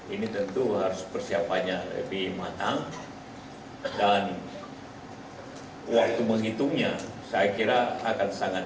ini tentu harus persiapannya lebih matang dan waktu menghitungnya saya kira akan sangat